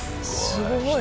すごい。